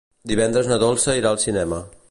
Divendres na Dolça irà al cinema.